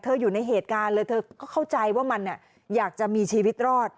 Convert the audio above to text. อยู่ในเหตุการณ์เลยเธอก็เข้าใจว่ามันอยากจะมีชีวิตรอด